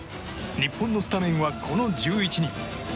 日本のスタメンはこの１１人。